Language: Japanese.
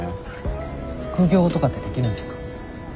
副業とかってできるんですか？